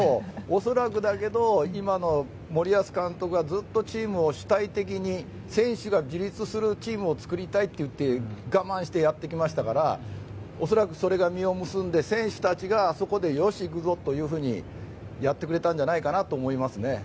恐らくだけど、今の森保監督がずっとチームを主体的に選手が自立するチームを作りたいといって我慢してやってきましたから恐らく、それが実を結んで選手たちが、あそこでよし、行くぞ！っていうふうにやってくれたんじゃないかなと思いますね。